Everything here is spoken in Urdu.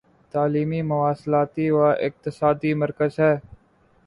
تعلیمی مواصلاتی و اقتصادی مرکز ہے